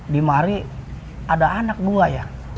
di mari ada anak gue ya